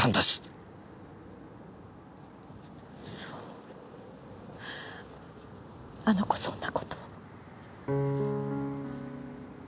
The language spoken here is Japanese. そうあの子そんなことを。